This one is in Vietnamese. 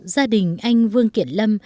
gia đình anh vương kiện lâm